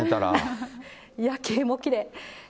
夜景もきれい。